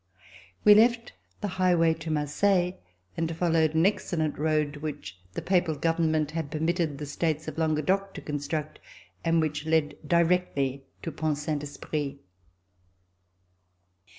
We left the highway to Marseille and followed an excellent road, which the Papal Government had permitted the States of Languedoc to construct, and which led directly to Pont Saint Esprit.